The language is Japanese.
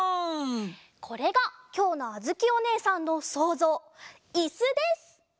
これがきょうのあづきおねえさんのそうぞういすです！